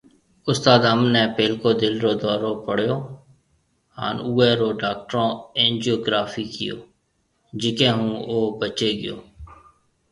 استاد انب ني پھلڪو دل رو دئورو پيو ھان اوئي رو ڊاڪٽرون اينجوگرافي ڪيئو جڪي ھوناو بچي گيو